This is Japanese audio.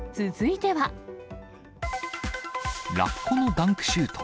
ラッコのダンクシュート。